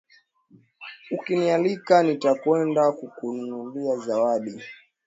Ukinialika nitakwenda kukununulia zawadi